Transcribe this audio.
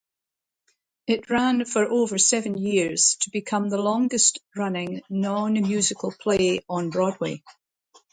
It ran for over seven years to become the longest-running non-musical play on Broadway.